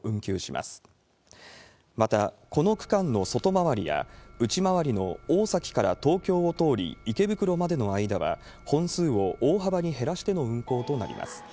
また、この区間の外回りや内回りの大崎から東京を通り、池袋までの間は本数を大幅に減らしての運行となります。